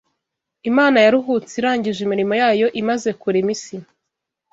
Imana yaruhutse irangije imirimo yayo imaze kurema isi